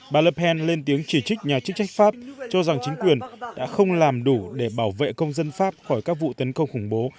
bà la pent lên tiếng chỉ trích nhà chức trách pháp cho rằng chính quyền đã không làm đủ để bảo vệ công dân pháp khỏi các vụ tấn công khủng bố